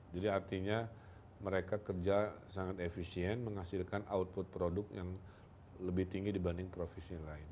jadi artinya mereka kerja sangat efisien menghasilkan output produk yang lebih tinggi dibanding profesi lain